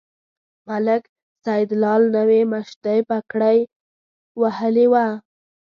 ملک سیدلال نوې مشدۍ پګړۍ وهلې وه.